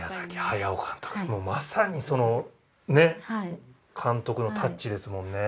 もうまさにそのね監督のタッチですもんね